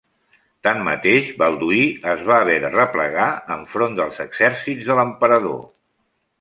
Tanmateix, Balduí es va haver de replegar enfront dels exèrcits de l'emperador.